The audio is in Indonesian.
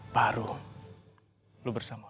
baru lo bersama